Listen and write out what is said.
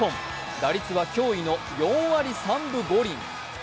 打率は驚異の４割３分５厘。